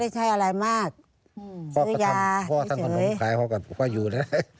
พ่อก็ทำพ่อทำขนมขายพ่อกับพ่อก็อยู่นะ